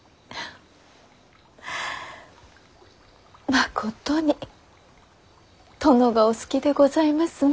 まことに殿がお好きでございますな。